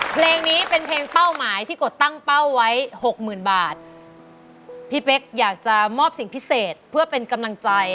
เพลงนี้เป็นเพลงเป้าหมายที่กดตั้งเป้าไว้หกหมื่นบาทพี่เป๊กอยากจะมอบสิ่งพิเศษเพื่อเป็นกำลังใจ